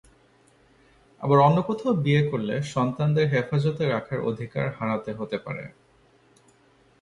আবার অন্য কোথাও বিয়ে করলে সন্তানদের হেফাজতে রাখার অধিকার হারাতে হতে পারে।